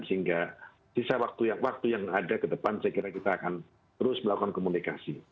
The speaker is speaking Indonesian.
sehingga sisa waktu yang ada ke depan saya kira kita akan terus melakukan komunikasi